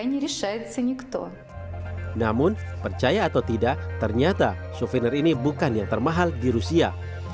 namun percaya atau tidak ternyata souvenir ini bukan yang termahal di rusia